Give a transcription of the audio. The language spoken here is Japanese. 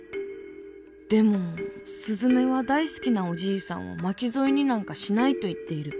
でもすずめは大好きなおじいさんを巻き添えになんかしないと言っている。